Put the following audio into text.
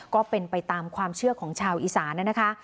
ก็เป็นไปตามความเชื่อของชาวอีสานนะคะ